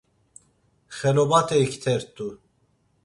Xelobate iktert̆u.